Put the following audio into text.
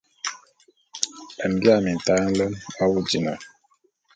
Mbia mintaé nlem awu dina!